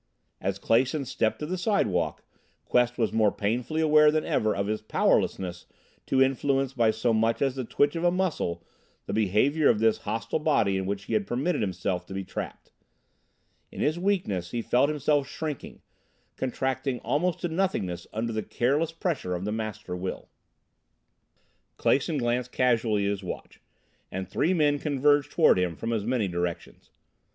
As Clason stepped to the sidewalk, Quest was more painfully aware than ever of his powerlessness to influence by so much as the twitch of a muscle the behavior of this hostile body in which he had permitted himself to be trapped. In his weakness he felt himself shrinking, contracting almost to nothingness under the careless pressure of the Master Will. Clason glanced casually at his watch, and three men converged toward him from as many directions.